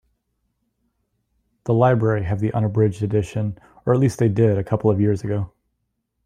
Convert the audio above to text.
The library have the unabridged edition, or at least they did a couple of years ago.